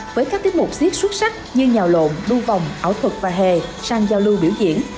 với các tiết mục siết xuất sắc như nhào lộn đu vòng ảo thuật và hè sang giao lưu biểu diễn